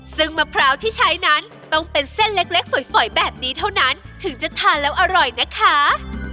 ซึ่งมะพร้าวที่ใช้นั้นต้องเป็นเส้นเล็กฝอยแบบนี้เท่านั้นถึงจะทานแล้วอร่อยนะคะ